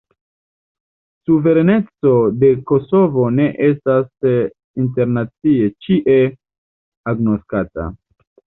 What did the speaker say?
Suvereneco de Kosovo ne estas internacie ĉie agnoskata.